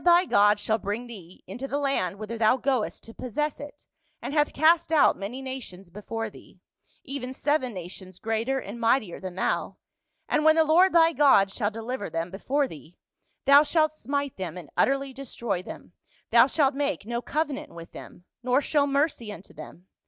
123 thy God shall bring thcc into the land whither thou goest to possess it, and hath cast out many nations before thee — even seven nations greater and mightier than thou, and when the Lord thy God shall deliver them before thee : thou shalt smite them and utterly destroy them ; thou shalt make no covenant with them ; nor show mercy unto them.